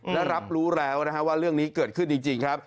และรับรู้แล้วนะฮะว่าเรื่องนี้เกิดขึ้นจริงครับ